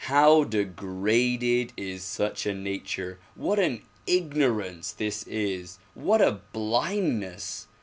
How degraded is such a nature ! What an ignorance this is ! What a blindness!